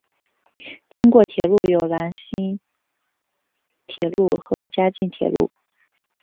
经过铁路有兰新铁路和嘉镜铁路。